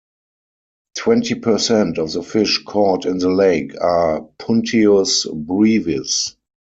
Twenty percent of the fish caught in the lake are "Puntius brevis".